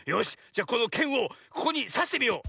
じゃこのケンをここにさしてみよう。